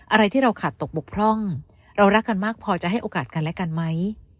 อะไรที่เราขาดตกบกพร่องเรารักกันมากพอจะให้โอกาสกันและกันไหม